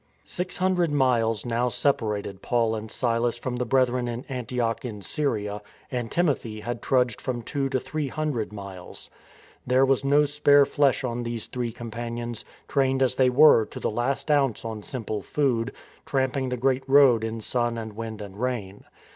' The Black Sea. 180 THE FORWARD TREAD Six hundred miles now separated Paul and Silas from the Brethren in Antioch in Syria, and Timothy had trudged from two to three hundred miles. There was no spare flesh on these three companions, trained as they were to the last ounce on simple food, tramp ing the great road in sun and wind and rain.